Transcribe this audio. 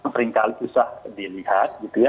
seringkali susah dilihat gitu ya